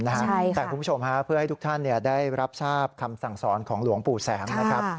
แต่คุณผู้ชมฮะเพื่อให้ทุกท่านได้รับทราบคำสั่งสอนของหลวงปู่แสงนะครับ